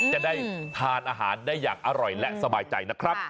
จะได้ทานอาหารได้อย่างอร่อยและสบายใจนะครับ